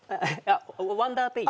ワンダーペイ。